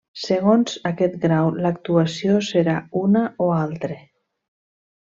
Segons aquest grau l'actuació serà una o altre.